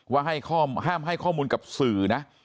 ห้ามให้ข้อมูลกับสื่อนะ